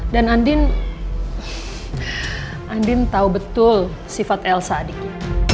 dan andin andin tahu betul sifat elsa adiknya